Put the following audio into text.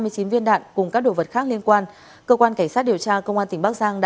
xin chào các bạn